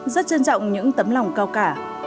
rất trân trọng những tấm lòng cao cả